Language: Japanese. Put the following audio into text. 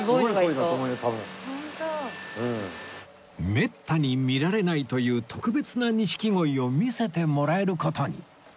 めったに見られないという特別な錦鯉を見せてもらえる事に